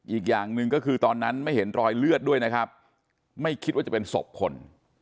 อีกอย่างหนึ่งก็คือตอนนั้นไม่เห็นรอยเลือดด้วยนะครับไม่คิดว่าจะเป็นศพคน